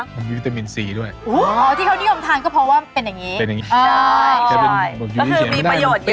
ใบมะกรูด